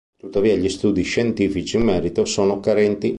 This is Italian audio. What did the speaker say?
Tuttavia gli studi scientifici in merito sono carenti.